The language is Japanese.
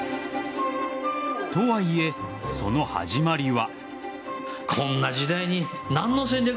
とはいえ、その始まりは。